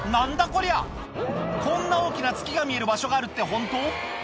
こりゃこんな大きな月が見える場所があるってホント？